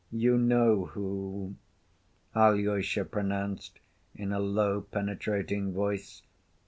"You know who," Alyosha pronounced in a low, penetrating voice.